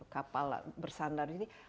kapal bersandar ini